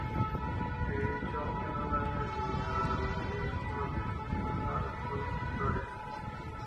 De hecho, en un año determinado, la mayoría de los brotes no producen flores.